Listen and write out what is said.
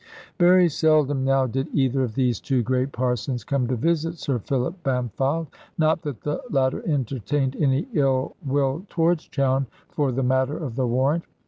Very seldom now did either of these two great parsons come to visit Sir Philip Bampfylde. Not that the latter entertained any ill will towards Chowne for the matter of the warrant.